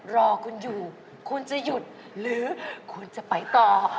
รอคุณอยู่คุณจะหยุดหรือคุณจะไปต่อ